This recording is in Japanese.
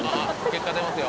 結果出ますよ。